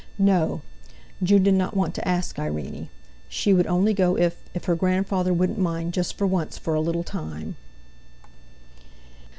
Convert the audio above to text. No! June did not want to ask Irene; she would only go if—if her grandfather wouldn't mind just for once for a little time!